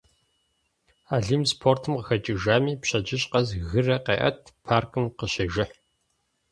Алим спортым къыхэкӏыжами, пщэдджыжь къэс гырэ къеӏэт, паркым къыщежыхь.